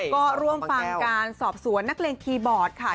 ก็ร่วมฟังการสอบสวนนักเลงคีย์บอร์ดค่ะ